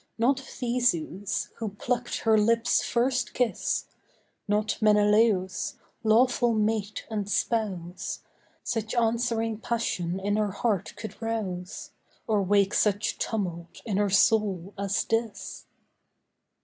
Not Theseus, who plucked her lips' first kiss, Not Menelaus, lawful mate and spouse, Such answering passion in her heart could rouse, Or wake such tumult in her soul as this.